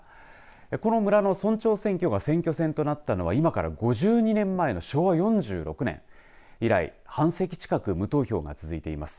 この村の村長選挙が選挙戦となったのは今から５２年前の昭和４６年以来、半世紀近く無投票が続いています。